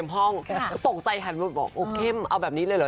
ก็ตกใจหันแล้วบอกโอเคเอาแบบนี้เลยเหรอ